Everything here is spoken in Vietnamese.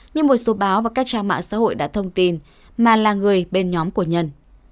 nhưng một số báo và các trang mạng xã hội đã thông tin mà là người bên nhóm của nhân